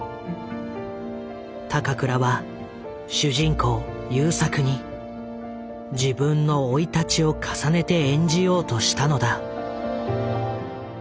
高倉は主人公勇作に自分の生い立ちを重ねて演じようとしたのだ。